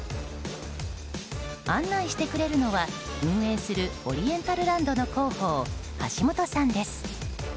案内してくれるのは運営するオリエンタルランドの広報橋本さんです。